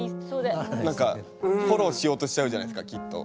何かフォローしようとしちゃうじゃないですかきっと。